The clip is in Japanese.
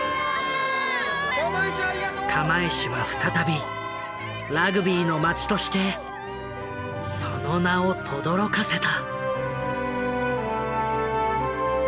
釜石は再びラグビーの町としてその名をとどろかせた。